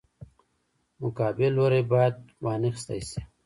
مقابل لوری باید وانخیستی شي.